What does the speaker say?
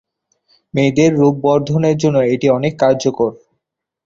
মেয়েদের রূপ বর্ধনের জন্য এটা অনেকটা কার্যকর।